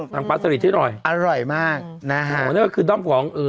สั่งปลาสลิดเช่นหน่อยอร่อยมากนะฮะก็ก็คือด้อมของ